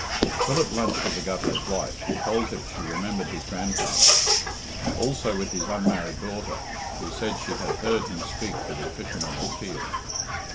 Philip lunched with the Governor's wife, who told him she remembered his grandfather; also with his unmarried daughter, who said she had heard him speak for the fishermen at Peel.